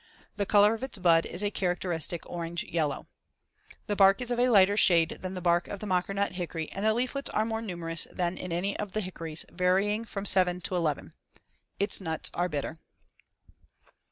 The color of its bud is a characteristic orange yellow. The bark is of a lighter shade than the bark of the mockernut hickory and the leaflets are more numerous than in any of the hickories, varying from 7 to 11. Its nuts are bitter.